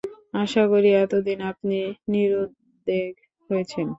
আশা করি এতদিনে আপনি নিরুদ্বেগ হয়েছেন।